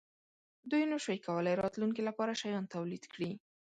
دوی نشوای کولای راتلونکې لپاره شیان تولید کړي.